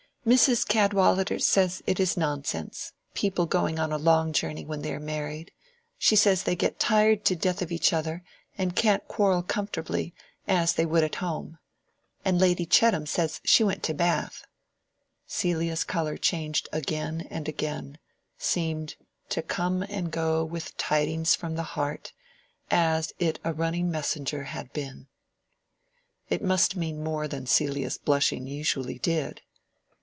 "Mrs. Cadwallader says it is nonsense, people going a long journey when they are married. She says they get tired to death of each other, and can't quarrel comfortably, as they would at home. And Lady Chettam says she went to Bath." Celia's color changed again and again—seemed "To come and go with tidings from the heart, As it a running messenger had been." It must mean more than Celia's blushing usually did.